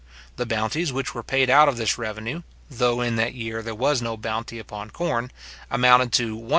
The bounties which were paid out of this revenue, though in that year there was no bounty upon corn, amounted to £167,806.